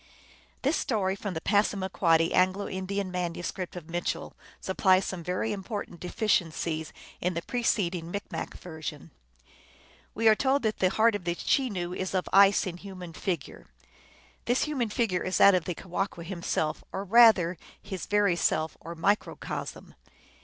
This story from the Passamaquoddy Anglo Indian manuscript of Mitchell supplies some very important deficiencies in the preceding Micmac version. We are told that the heart of the Chenoo is of ice in human figure. This human figure is that of the Ke wahqu himself, or rather his very self, or microcosm.